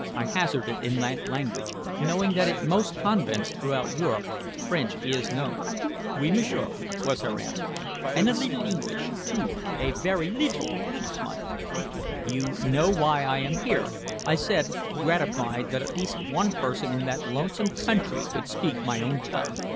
I hazarded in that language, knowing that in most convents throughout Europe French is known. "Oui, m'sieur," was her answer. "And a leetle Engleesh, too a ve ry leetle," she smiled. "You know why I am here?" I said, gratified that at least one person in that lonesome country could speak my own tongue.